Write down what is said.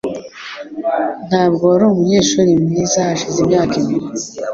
Ntabwo wari umunyeshuri mwiza hashize imyaka ibiri.